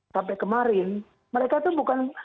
sampai kemarin mereka itu bukan